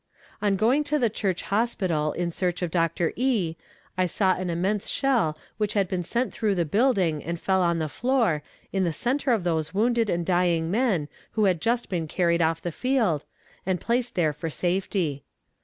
On going to the Church hospital in search of Doctor E., I saw an immense shell which had been sent through the building and fell on the floor, in the centre of those wounded and dying men who had just been carried off the field, and placed there for safety.